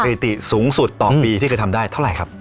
ถิติสูงสุดต่อปีที่เคยทำได้เท่าไหร่ครับ